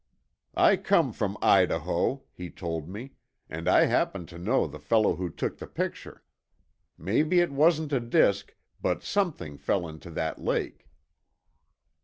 "I come from Idaho," he told me. "And I happen to know the fellow who took the picture. Maybe it wasn't a disk, but something fell into that lake."